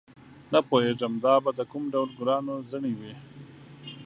نه پوهېږم دا به د کوم ډول ګلانو زړي وي.